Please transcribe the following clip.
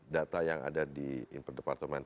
data yang ada di departemen